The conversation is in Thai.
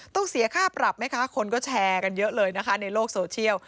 เสียค่าปรับไหมคะคนก็แชร์กันเยอะเลยนะคะในโลกโซเชียล